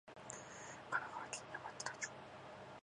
神奈川県山北町